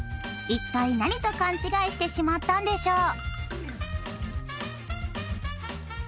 一体何と勘違いしてしまったんでしょう？